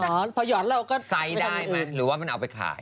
ไปรออ๋อเพราะหยอดแล้วก็ใสได้ไหมหรือว่ามันเอาไปขาย